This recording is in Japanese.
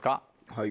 はい。